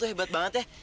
ibat banget ya